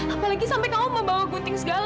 apalagi sampai kamu membawa gunting segala